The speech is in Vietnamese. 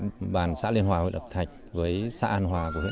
chúng tôi định tìm chiếc bộ đ ig